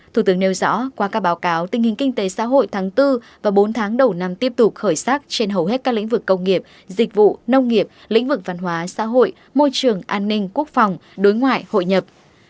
thủ tướng nêu rõ qua các báo cáo tình hình kinh tế xã hội tháng bốn và bốn tháng đầu năm tiếp tục khởi sắc trên hầu hết các lĩnh vực công nghiệp dịch vụ nông nghiệp lĩnh vực văn hóa xã hội môi trường an ninh quốc phòng đối ngoại hội nhập